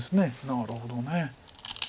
なるほど。